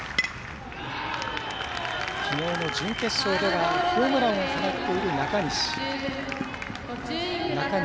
きのうの準決勝ではホームランを放っている中西。